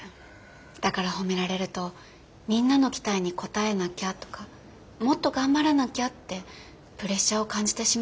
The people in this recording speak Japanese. だから褒められるとみんなの期待に応えなきゃとかもっと頑張らなきゃってプレッシャーを感じてしまうみたいで。